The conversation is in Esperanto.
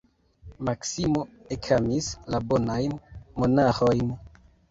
Maksimo ekamis la bonajn monaĥojn.